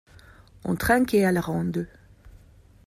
On trinquait à la ronde.